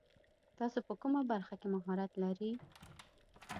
تاسو په کومه برخه کې مهارت لري ؟